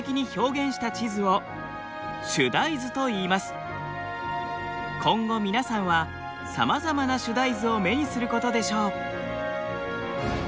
このように今後皆さんはさまざまな主題図を目にすることでしょう。